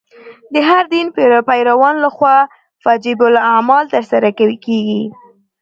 د هر دین پیروانو له خوا فجیع اعمال تر سره کېږي.